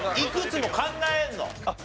いくつも考えるの。